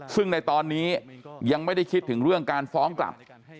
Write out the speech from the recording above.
ซึ่งในตอนนี้ยังไม่ได้คิดถึงเรื่องการฟ้องกลับ